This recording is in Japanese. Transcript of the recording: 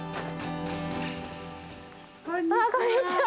こんにちは。